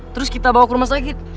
terus kita bawa ke rumah sakit